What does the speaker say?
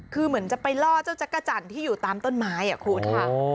คือเหมือนจะไปล่อเจ้าจักรจันทร์ที่อยู่ตามต้นไม้คุณค่ะ